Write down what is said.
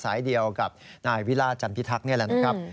สายเดียวกับนายวิราชจันพิทักษ์นี่แหละนะครับ